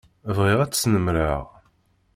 Bɣiɣ ad tt-snemmreɣ.